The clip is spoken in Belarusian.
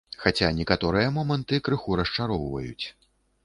Хаця некаторыя моманты крыху расчароўваюць.